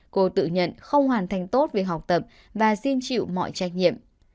cô tự nhận không hoàn thành tốt việc học tập và xin chịu mọi trách nhiệm